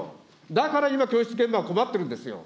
だから今、教室現場は困ってるんですよ。